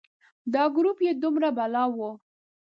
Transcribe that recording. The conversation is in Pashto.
دا ګروپ یې دومره بلا و.